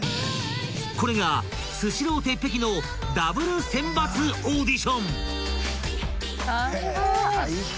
［これがスシロー鉄壁のダブル選抜オーディション！］